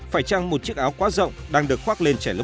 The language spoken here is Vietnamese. phải chăng một chiếc áo quá rộng đang được khoác lên trẻ lớp một